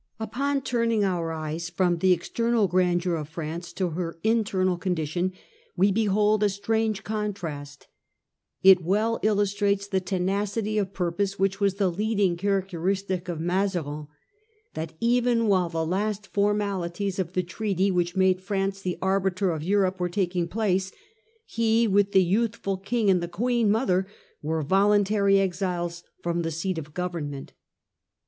Upon turning our eyes from the external grandeur of France to her internal condition we behold a strange contrast. It well illustrates the tenacity of purpose which was the leading characteristic of Mazarin, that even while the last formalities of the treaty which made France the arbiter of Europe were taking place, he with the youthful 1648. Richelieu and Privilege . 9 King and the Queen mother were voluntary exiles from the seat of government.